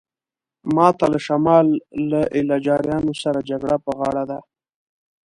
ماته له شمال له ایله جاریانو سره جګړه په غاړه ده.